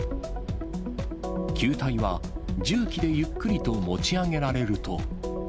球体は、重機でゆっくりと持ち上げられると。